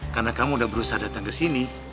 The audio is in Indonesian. karena kamu udah berusaha datang ke sini